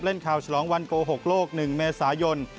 เล่นข่าวฉลองวันโกหกโลก๑เมษายนตร์